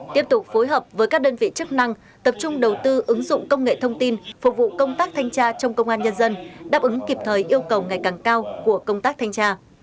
tiếp tục phối hợp với các đơn vị chức năng tập trung đầu tư ứng dụng công nghệ thông tin phục vụ công tác thanh tra trong công an nhân dân đáp ứng kịp thời yêu cầu ngày càng cao của công tác thanh tra